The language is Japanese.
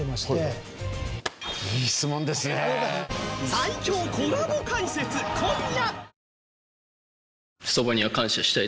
最強コラボ解説今夜！